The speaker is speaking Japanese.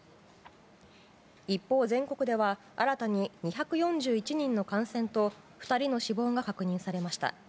一方、全国では新たに２４１人の感染と２人の死亡が確認されました。